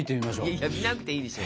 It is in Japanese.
いやいや見なくていいでしょ。